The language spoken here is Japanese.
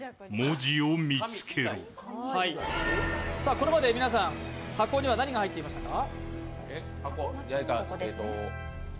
これまで皆さん、箱には何が入っていましたか？